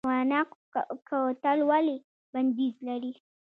قوناق کوتل ولې بندیز لري؟